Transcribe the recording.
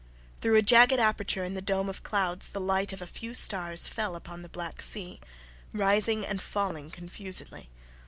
Through a jagged aperture in the dome of clouds the light of a few stars fell upon the black sea, rising and falling confusedly.